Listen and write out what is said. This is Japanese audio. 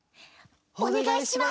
おねがいします！